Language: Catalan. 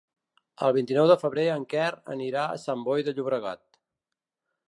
El vint-i-nou de febrer en Quer anirà a Sant Boi de Llobregat.